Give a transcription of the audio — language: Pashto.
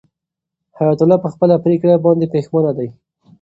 حیات الله په خپله پرېکړه باندې پښېمانه دی.